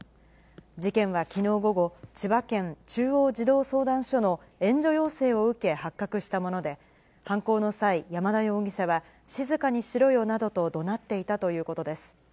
事件はきのう午後、千葉県中央児童相談所の援助要請を受け発覚したもので、犯行の際、山田容疑者は、静かにしろよなどとどなっていたということです。